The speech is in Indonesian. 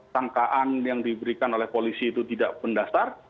tangkaan yang diberikan oleh polisi itu tidak pendasar